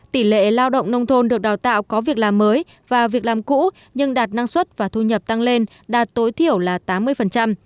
tỷ lệ lao động nông thôn được đào tạo có việc làm mới và việc làm cũ nhưng đạt năng suất và thu nhập tăng lên đạt tối thiểu là tám mươi